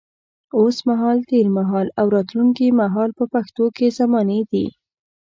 اوس مهال، تېر مهال او راتلونکي مهال په پښتو کې زمانې دي.